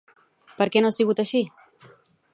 Per què no ha sigut així?